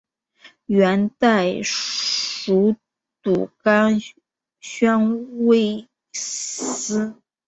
元代属朵甘宣慰司。